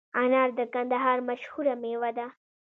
انار د کندهار مشهوره میوه ده